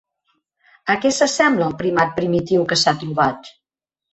A què s'assembla el primat primitiu que s'ha trobat?